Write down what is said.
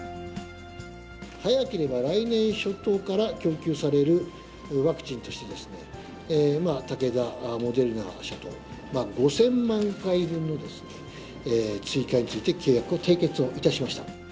早ければ来年初頭から供給されるワクチンとしてですね、武田・モデルナ社と５０００万回分の追加について、契約を締結をいたしました。